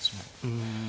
うん。